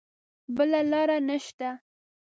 بله لاره نه شته.